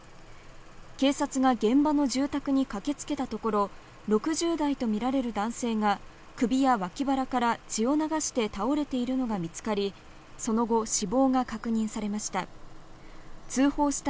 警察が現場の住宅に駆けつけたところ、６０代とみられる男性が首やわき腹から血を流して倒れているのが見つかり、その後、死亡が確認されました。